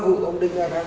tượng tôn pháp luật